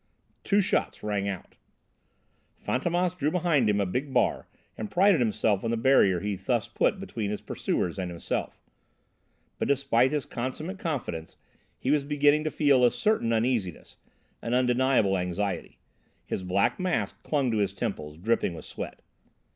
Two shots rang out! Fantômas drew behind him a big bar and prided himself on the barrier he thus put between his pursuers and himself. But despite his consummate confidence, he was beginning to feel a certain uneasiness, an undeniable anxiety. His black mask clung to his temples, dripping with sweat.